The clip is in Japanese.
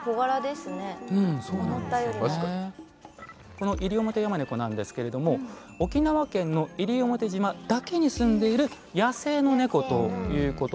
このイリオモテヤマネコなんですけれども沖縄県の西表島だけにすんでいる野生のネコということなんですよね。